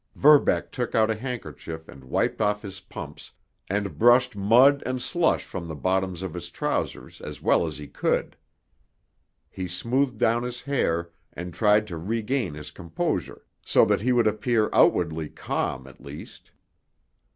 Verbeck took out a handkerchief and wiped off his pumps, and brushed mud and slush from the bottoms of his trousers as well as he could. He smoothed down his hair, and tried to regain his composure so that he would appear outwardly calm at least.